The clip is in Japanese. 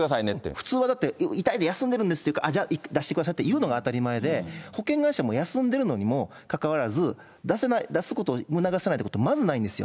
普通はだって、痛い、休んでいるんですって、じゃあ、出してくださいというのが当たり前で、保険会社も休んでるのにもかかわらず、出すこと促さないこと、まずないんですよ。